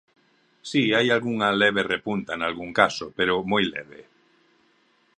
Si, hai algunha leve repunta nalgún caso, pero moi leve.